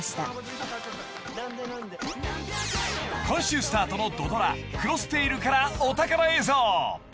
［今週スタートの土ドラ『クロステイル』からお宝映像］